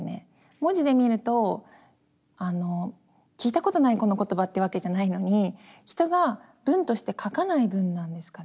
文字で見ると「聞いたことないこの言葉」ってわけじゃないのに人が文として書かない文なんですかね。